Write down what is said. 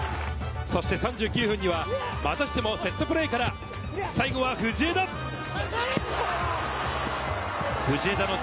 そして３９分にはまたしてもセットプレーから最後は藤枝。